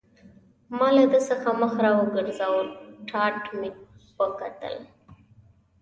ما له ده څخه مخ را وګرځاوه، ټاټ مې وکتل.